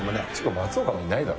松岡もいないだろ。